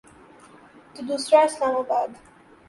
تو دوسرا اسلام آباد۔